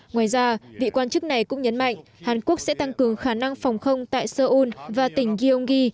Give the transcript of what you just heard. ngoài ra vị quan chức này cũng nhấn mạnh hàn quốc sẽ tăng cường khả năng phòng không tại seoul và tỉnh gyeonggi